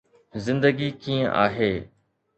زندگي ڪيئن آهي